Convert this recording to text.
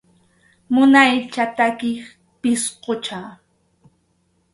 Munaycha takiq pisqucha.